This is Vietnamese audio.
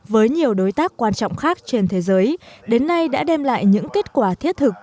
với nhiều đối tác quan trọng khác trên thế giới đến nay đã đem lại những kết quả thiết thực